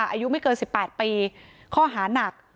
อายุไม่เกิน๑๘ปีข้อหานัก